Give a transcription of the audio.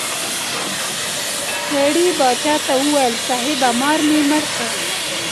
سړي باچا ته وویل صاحبه مار مې مړ کړ.